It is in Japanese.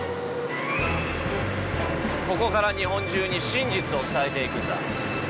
ここから日本中に真実を伝えていくんだ。